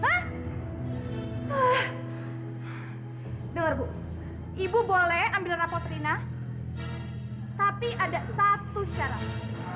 dengar bu ibu boleh ambil rapat rina tapi ada satu syarat